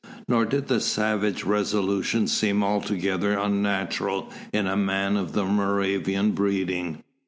Nor did the savage resolution seem altogether unnatural in a man of the Moravian's breeding.